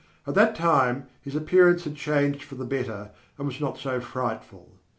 At that time his appearance had changed for the better and was not so frightful.